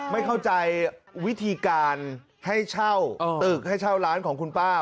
ไม่เข้าใจวิธีการให้เช่าตึกให้เช่าร้านของคุณป้า